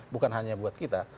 bukan hanya buat kita